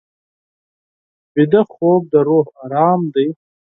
ویده خوب د روح ارام دی